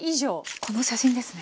この写真ですね。